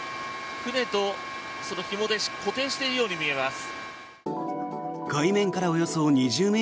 船とひもで固定しているように見えます。